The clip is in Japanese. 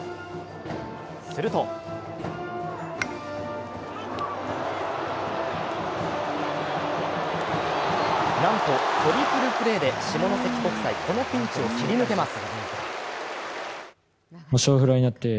するとなんとトリプルプレーで下関国際、このピンチを切り抜けます。